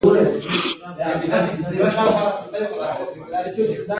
غریب د ژوند د زړه درد دی